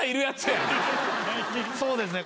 そうですね。